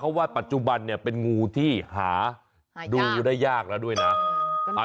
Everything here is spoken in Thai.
เขาบอกว่ามันไม่ทำร้ายมนุษย์นะ